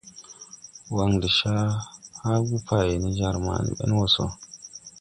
Wan de ca haagu pāy nen jar ma ni bɛn wɔ so.